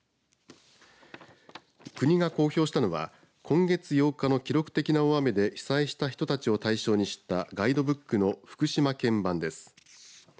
国が公表したのは今月８日の記録的な大雨で被災した人たちを対象にしたガイドブックの福島県版です。